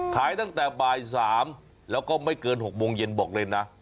ขายตั้งแต่บ่าย๓แล้วก็ไม่เกิน๖โมงเย็นบอกเลยนะ